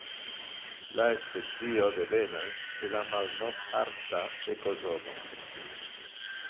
La specio devenas de la Malnov-Arkta ekozono.